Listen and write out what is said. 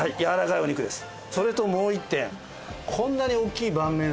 それともう一点。